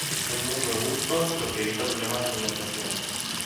Son muy robustos, lo que evita problemas de alimentación.